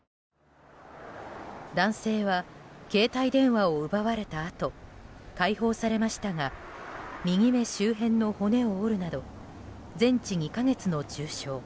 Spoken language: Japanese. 男性は携帯電話を奪われたあと解放されましたが右目周辺の骨を折るなど全治２か月の重傷。